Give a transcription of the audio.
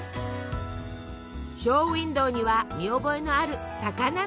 ショーウインドーには見覚えのある魚のイラスト。